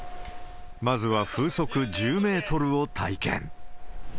まずは風速１０メートルを体験。